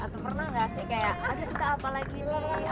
atau pernah nggak sih kayak ada kita apa lagi nih